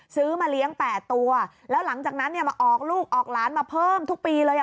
ซื้อมาเลี้ยงแปดตัวแล้วหลังจากนั้นเนี่ยมาออกลูกออกหลานมาเพิ่มทุกปีเลยอ่ะ